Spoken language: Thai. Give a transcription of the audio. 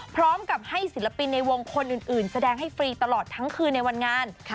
พร้อมกับให้ศิลปินในวงคนอื่นแสดงให้ฟรีตลอดทั้งคืนในวันงาน